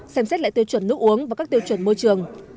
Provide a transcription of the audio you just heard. xem xét lại tiêu chuẩn nước uống và các tiêu chuẩn môi trường